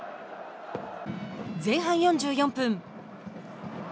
前半４４分。